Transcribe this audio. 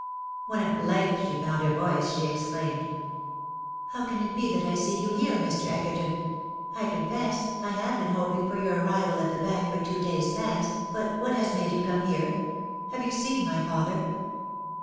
When at length she found her voice, she exclaimed —" How can it be that I see you here, Mr. Egerton ? I confess, I have been hoping for your arrival at the Bank for two days past, but what has made you come here ? Have you seen my father?